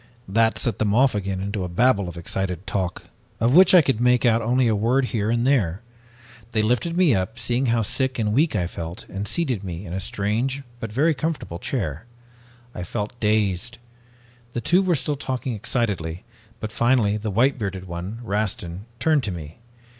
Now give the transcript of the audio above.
"That set them off again into a babble of excited talk, of which I could make out only a word here and there. They lifted me up, seeing how sick and weak I felt, and seated me in a strange, but very comfortable chair. I felt dazed. The two were still talking excitedly, but finally the white bearded one, Rastin, turned to me.